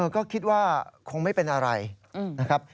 ก็คิดว่าคงไม่เป็นอะไรนะครับ